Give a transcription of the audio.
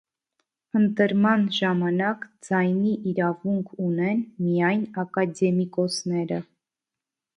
Ընտրման ժամանակ ձայնի իրավունք ունեն միայն ակադեմիկոսները։